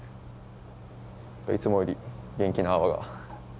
いつもより元気な泡が。